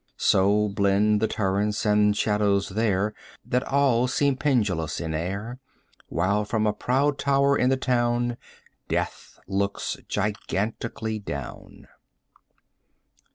25 So blend the turrets and shadows there That all seem pendulous in air, While from a proud tower in the town Death looks gigantically down.